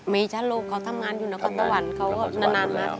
ไม่จ้าลูกเขาทำงานอยู่ในความตะวันเขานานมาที่